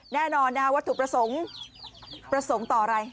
แน่นอนนะวัตถุประสงค์ประสงค์ต่ออะไร